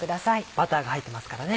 バターが入ってますからね。